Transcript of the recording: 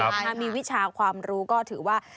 ถ้ามีวิชาความรู้ก็ถือว่า